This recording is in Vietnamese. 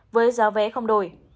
với giao vé không đổi